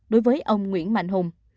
đối với ông nguyễn mạnh hùng